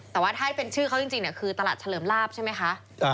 แต่ว่าถ้าเป็นชื่อเขาจริงคือตลาดเฉลิมลาบใช่ไหมคะ